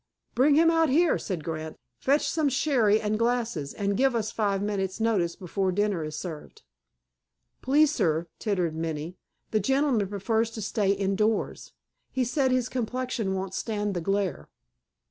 "Bring him out here," said Grant. "Fetch some sherry and glasses, and give us five minutes' notice before dinner is served." "Please, sir," tittered Minnie, "the gentleman prefers to stay indoors. He said his complexion won't stand the glare."